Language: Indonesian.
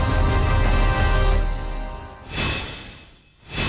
ketika kita berada di sekolah kita harus berpikir tentang kemampuan kita